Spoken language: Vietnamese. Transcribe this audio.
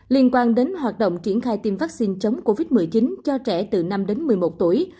liên quan đến hoạt động triển khai tiêm vaccine chống covid một mươi chín cho trẻ từ năm đến một mươi một tuổi